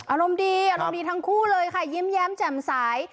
อารมณ์ดีอารมณ์ดีทั้งคู่เลยค่ะยิ้มแย้มแจ่มสาย